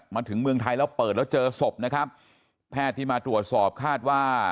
มาถึงเมืองไทยแล้วเปิดแล้วเจอศพนะครับแพทย์ที่มาตรวจสอบคาดว่า